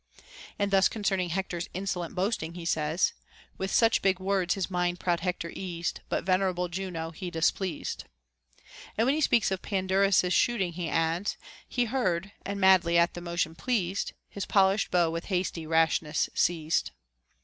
|| knd thus concerning Hecter's insolent boasting he says, — With such big words his mind proud Hector eased, But venerable Juno he displeased. Τ And when he speaks of Pandarus's shooting, he adds, — He heard, and madly at the motion pleased, His polish'd bow with hasty rashness seized.